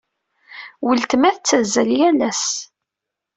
Weltma tettazzal yal ass.